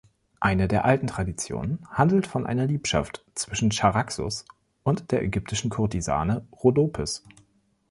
Eine der alten Traditionen handelt von einer Liebschaft zwischen Charaxus und der ägyptischen Kurtisane Rhodopis.